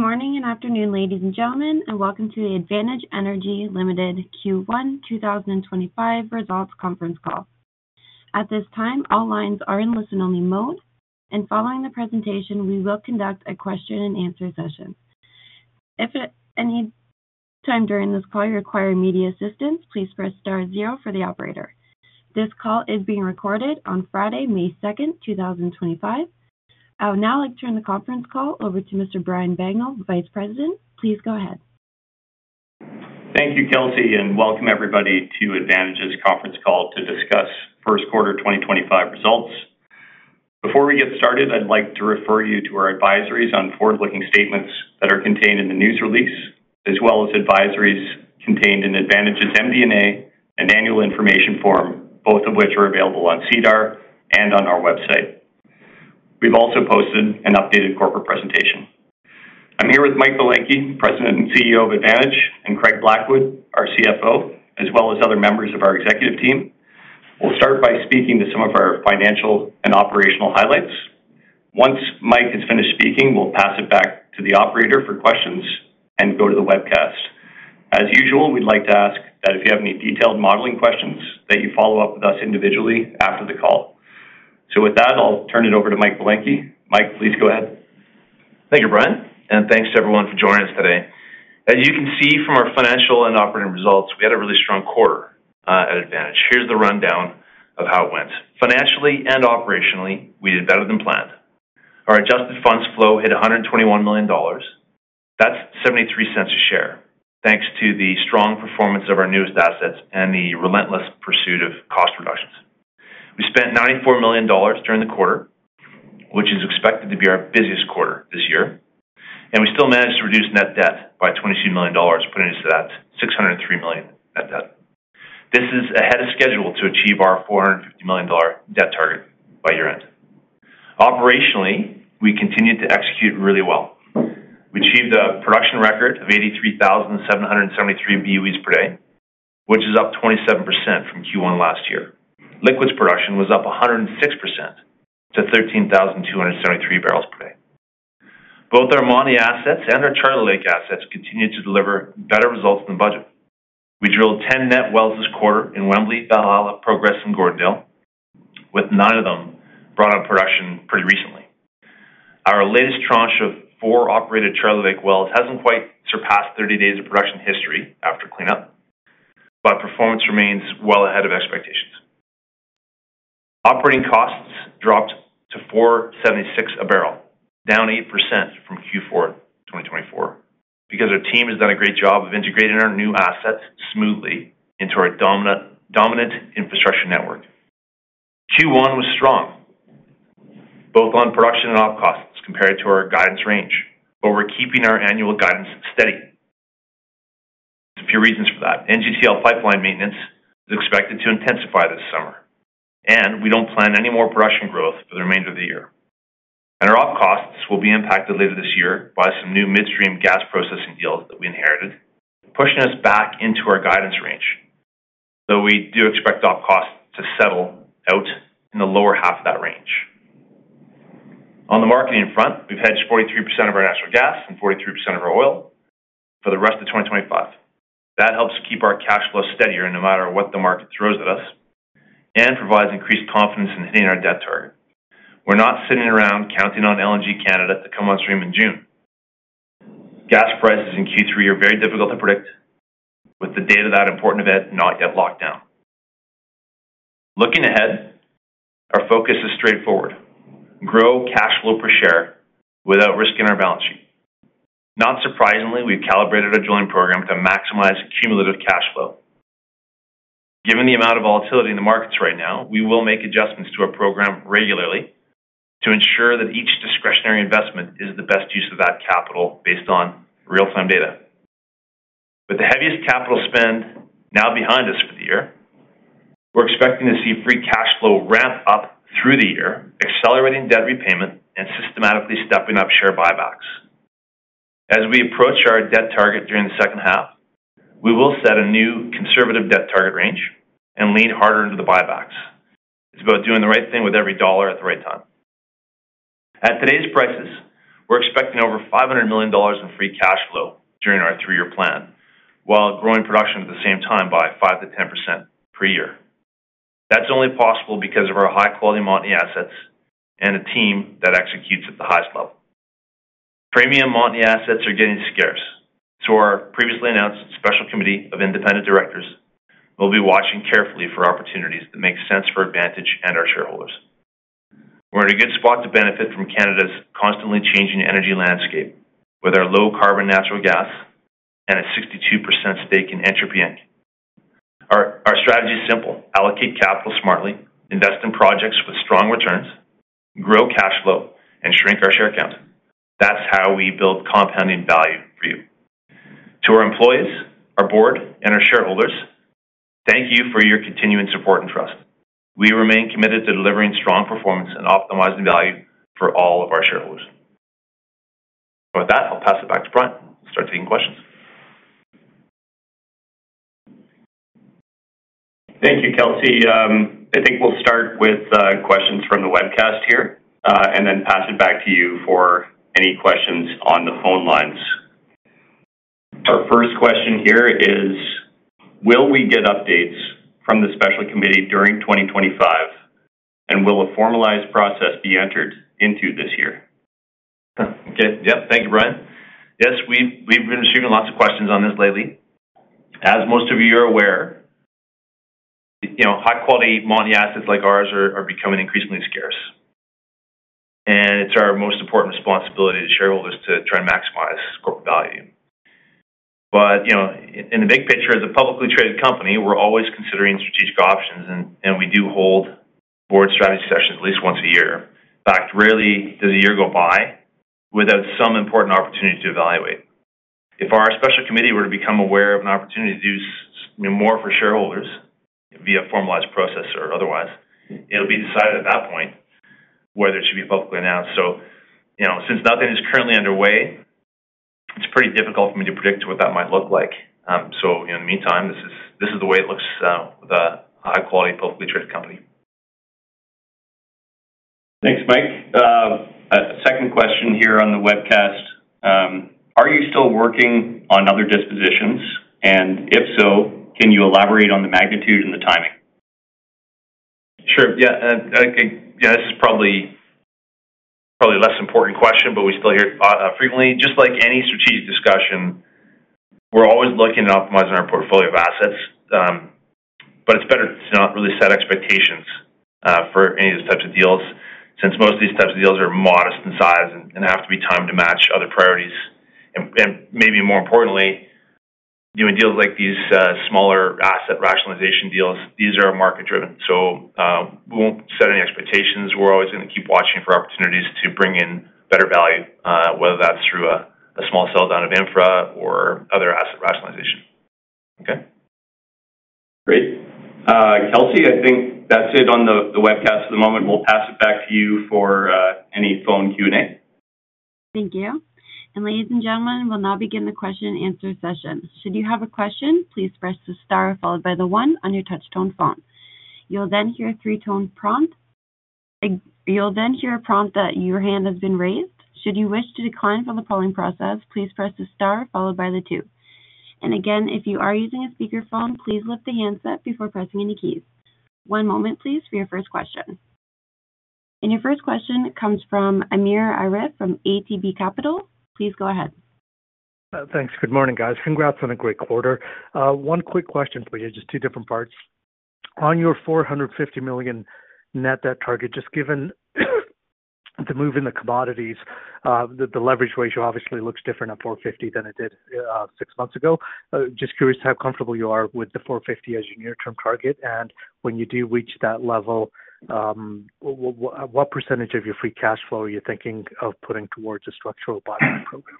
Good morning and afternoon, ladies and gentlemen, and welcome to the Advantage Energy Limited Q1 2025 results conference call. At this time, all lines are in listen-only mode, and following the presentation, we will conduct a question-and-answer session. If at any time during this call you require media assistance, please press star zero for the operator. This call is being recorded on Friday, 2 May 2025. I would now like to turn the conference call over to Mr. Brian Bagnell, Vice President. Please go ahead. Thank you, Kelsey, and welcome everybody to Advantage's Conference Call to discuss Q1 2025 results. Before we get started, I'd like to refer you to our advisories on forward-looking statements that are contained in the news release, as well as advisories contained in Advantage's MD&A and annual information form, both of which are available on SEDAR and on our website. We've also posted an updated corporate presentation. I'm here with Mike Belenkie, President and CEO of Advantage, and Craig Blackwood, our CFO, as well as other members of our executive team. We'll start by speaking to some of our financial and operational highlights. Once Mike has finished speaking, we'll pass it back to the operator for questions and go to the webcast. As usual, we'd like to ask that if you have any detailed modeling questions, that you follow up with us individually after the call. With that, I'll turn it over to Mike Belenkie. Mike, please go ahead. Thank you, Brian, and thanks to everyone for joining us today. As you can see from our financial and operating results, we had a really strong quarter at Advantage. Here's the rundown of how it went. Financially and operationally, we did better than planned. Our adjusted funds flow hit 121 million dollars. That's 0.73 a share, thanks to the strong performance of our newest assets and the relentless pursuit of cost reductions. We spent 94 million dollars during the quarter, which is expected to be our busiest quarter this year, and we still managed to reduce net debt by 22 million dollars, putting us at 603 million net debt. This is ahead of schedule to achieve our 450 million dollar debt target by year-end. Operationally, we continued to execute really well. We achieved a production record of 83,773 BOEs per day, which is up 27% from Q1 last year. Liquids production was up 106% to 13,273 barrels per day. Both our Montney assets and our Charter Lake assets continued to deliver better results than budget. We drilled 10 net wells this quarter in Wembley, Valhalla, Progress, and Gordondale, with nine of them brought on production pretty recently. Our latest tranche of four operated Charlie Lake wells has not quite surpassed 30 days of production history after cleanup, but performance remains well ahead of expectations. Operating costs dropped to 4.76 a barrel, down 8% from Q4 2024, because our team has done a great job of integrating our new assets smoothly into our dominant infrastructure network. Q1 was strong, both on production and op costs, compared to our guidance range, but we are keeping our annual guidance steady. There is a few reasons for that. NGTL pipeline maintenance is expected to intensify this summer, and we do not plan any more production growth for the remainder of the year. Our op costs will be impacted later this year by some new midstream gas processing deals that we inherited, pushing us back into our guidance range, though we do expect op costs to settle out in the lower half of that range. On the marketing front, we have hedged 43% of our natural gas and 43% of our oil for the rest of 2025. That helps keep our cash flow steadier no matter what the market throws at us and provides increased confidence in hitting our debt target. We are not sitting around counting on LNG Canada to come on stream in June. Gas prices in Q3 are very difficult to predict, with the date of that important event not yet locked down. Looking ahead, our focus is straightforward: grow cash flow per share without risking our balance sheet. Not surprisingly, we've calibrated our drilling program to maximize cumulative cash flow. Given the amount of volatility in the markets right now, we will make adjustments to our program regularly to ensure that each discretionary investment is the best use of that capital based on real-time data. With the heaviest capital spend now behind us for the year, we're expecting to see free cash flow ramp up through the year, accelerating debt repayment and systematically stepping up share buybacks. As we approach our debt target during the H2, we will set a new conservative debt target range and lean harder into the buybacks. It's about doing the right thing with every dollar at the right time. At today's prices, we're expecting over 500 million dollars in free cash flow during our three-year plan, while growing production at the same time by 5% to 10% per year. That's only possible because of our high-quality Montney assets and a team that executes at the highest level. Premium Montney assets are getting scarce, so our previously announced special committee of independent directors will be watching carefully for opportunities that make sense for Advantage and our shareholders. We're in a good spot to benefit from Canada's constantly changing energy landscape, with our low-carbon natural gas and a 62% stake in Entropy Inc. Our strategy is simple: allocate capital smartly, invest in projects with strong returns, grow cash flow, and shrink our share count. That's how we build compounding value for you. To our employees, our board, and our shareholders, thank you for your continuing support and trust. We remain committed to delivering strong performance and optimizing value for all of our shareholders. With that, I'll pass it back to Brian. We'll start taking questions. Thank you, Kelsey. I think we'll start with questions from the webcast here and then pass it back to you for any questions on the phone lines. Our first question here is, will we get updates from the special committee during 2025, and will a formalized process be entered into this year? Okay. Yep. Thank you, Brian. Yes, we've been receiving lots of questions on this lately. As most of you are aware, high-quality Montney assets like ours are becoming increasingly scarce, and it's our most important responsibility to shareholders to try and maximize corporate value. In the big picture, as a publicly traded company, we're always considering strategic options, and we do hold board strategy sessions at least once a year. In fact, rarely does a year go by without some important opportunity to evaluate. If our special committee were to become aware of an opportunity to do more for shareholders via a formalized process or otherwise, it'll be decided at that point whether it should be publicly announced. Since nothing is currently underway, it's pretty difficult for me to predict what that might look like. In the meantime, this is the way it looks with a high-quality publicly traded company. Thanks, Mike. A second question here on the webcast. Are you still working on other dispositions? If so, can you elaborate on the magnitude and the timing? Sure. Yeah, this is probably a less important question, but we still hear it frequently. Just like any strategic discussion, we're always looking at optimizing our portfolio of assets, but it's better to not really set expectations for any of these types of deals since most of these types of deals are modest in size and have to be timed to match other priorities. Maybe more importantly, doing deals like these smaller asset rationalization deals, these are market-driven, so we won't set any expectations. We're always going to keep watching for opportunities to bring in better value, whether that's through a small sell down of infra or other asset rationalization. Okay? Great. Kelsey, I think that's it on the webcast for the moment. We'll pass it back to you for any phone Q&A. Thank you. Ladies and gentlemen, we will now begin the question-and-answer session. Should you have a question, please press the star followed by the one on your touch-tone phone. You will then hear a three-tone prompt. You will then hear a prompt that your hand has been raised. Should you wish to decline from the polling process, please press the star followed by the two. If you are using a speakerphone, please lift the handset before pressing any keys. One moment, please, for your first question. Your first question comes from Amir Arif from ATB Capital. Please go ahead. Thanks. Good morning, guys. Congrats on a great quarter. One quick question, please. Just two different parts. On your 450 million net debt target, just given the move in the commodities, the leverage ratio obviously looks different at 450 than it did six months ago. Just curious how comfortable you are with the 450 as your near-term target. When you do reach that level, what percentage of your free cash flow are you thinking of putting towards a structural buyback program?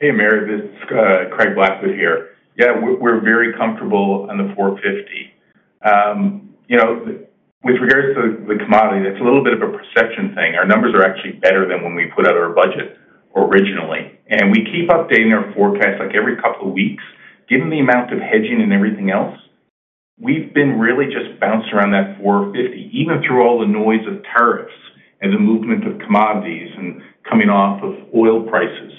Hey, Amir. This is Craig Blackwood here. Yeah, we're very comfortable on the 450. With regards to the commodity, that's a little bit of a perception thing. Our numbers are actually better than when we put out our budget originally. We keep updating our forecast every couple of weeks. Given the amount of hedging and everything else, we've been really just bouncing around that 450, even through all the noise of tariffs and the movement of commodities and coming off of oil prices.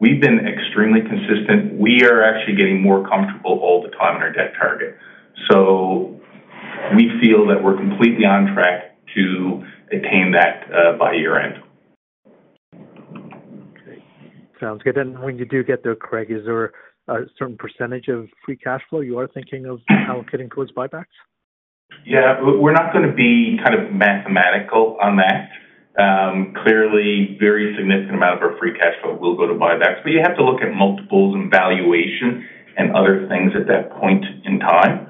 We've been extremely consistent. We are actually getting more comfortable all the time in our debt target. We feel that we're completely on track to attain that by year-end. Sounds good. When you do get there, Craig, is there a certain percentage of free cash flow you are thinking of allocating towards buybacks? Yeah. We're not going to be kind of mathematical on that. Clearly, a very significant amount of our free cash flow will go to buybacks. You have to look at multiples and valuation and other things at that point in time.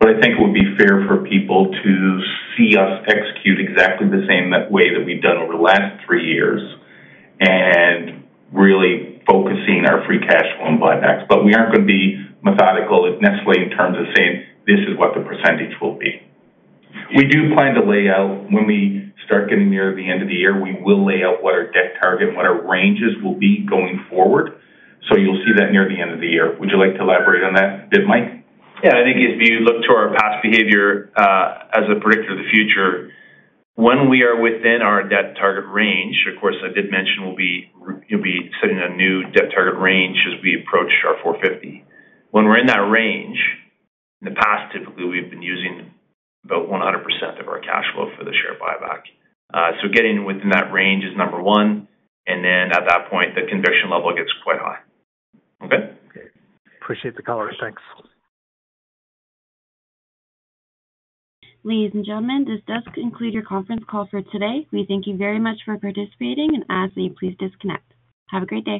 I think it would be fair for people to see us execute exactly the same way that we've done over the last three years and really focusing our free cash flow on buybacks. We aren't going to be methodical, necessarily, in terms of saying, "This is what the percentage will be." We do plan to lay out when we start getting near the end of the year, we will lay out what our debt target and what our ranges will be going forward. You'll see that near the end of the year. Would you like to elaborate on that a bit, Mike? Yeah. I think if you look to our past behavior as a predictor of the future, when we are within our debt target range, of course, I did mention we'll be setting a new debt target range as we approach our 450. When we're in that range, in the past, typically, we've been using about 100% of our cash flow for the share buyback. Getting within that range is number one. At that point, the conviction level gets quite high. Okay? Appreciate the color. Thanks. Ladies and gentlemen, this does conclude your conference call for today. We thank you very much for participating, and ask that you please disconnect. Have a great day.